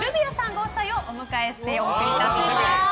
ご夫妻をお迎えしてお送りします。